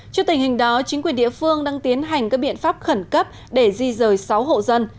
trước tình hình đó chính quyền địa phương đang tiến hành các biện pháp khẩn cấp để di rời sáu hộ dân